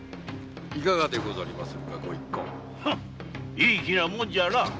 いい気なもんじゃな。